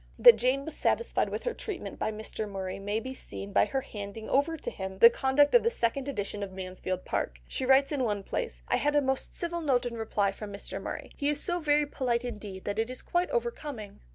That Jane was satisfied with her treatment by Mr. Murray may be seen by her handing over to him the conduct of the second edition of Mansfield Park. She writes in one place, "I had a most civil note in reply from Mr. Murray. He is so very polite indeed that it is quite over coming."